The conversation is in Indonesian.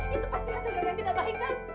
itu pasti hasil yang tidak baik kan